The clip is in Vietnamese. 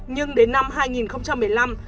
nhưng đến năm hai nghìn một mươi năm